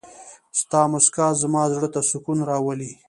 ستا مسکا زما زړه ته سکون راولي.